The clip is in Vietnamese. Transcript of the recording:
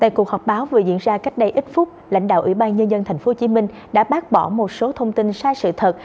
tại cuộc họp báo vừa diễn ra cách đây ít phút lãnh đạo ủy ban nhân dân tp hcm đã bác bỏ một số thông tin sai sự thật